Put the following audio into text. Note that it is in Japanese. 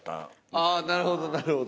ああなるほどなるほど。